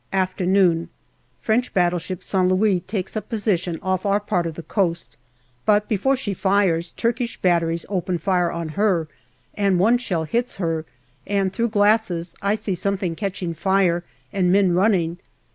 Afternoon. French battleship Saint Louis takes up position off our part of the coast, but before she fires, Turkish batteries open fire on her and one shell hits her, and through glasses I see something catching fire and men running.